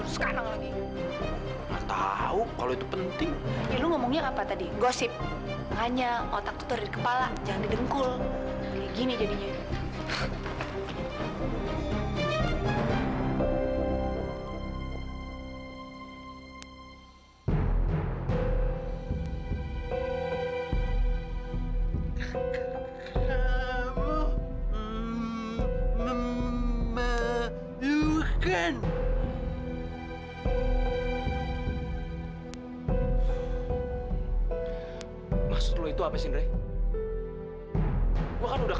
sampai jumpa di video selanjutnya